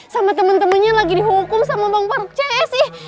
sama temen temennya lagi dihukum sama bang paruk cek sih